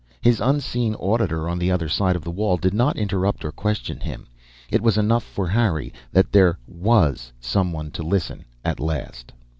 His unseen auditor on the other side of the wall did not interrupt or question him; it was enough, for Harry, that there was someone to listen at last.